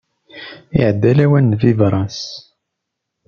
Iɛedda lawan n bibras.